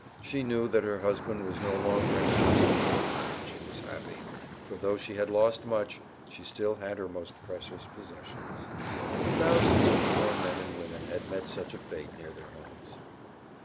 She knew that her husband was no longer in constant danger, and she was happy, for though she had lost much, she still had her most precious possessions. Thousands of poor men and women have met such a fate near their homes.